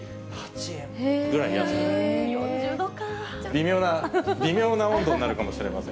微妙な、微妙な温度になるかもしれません。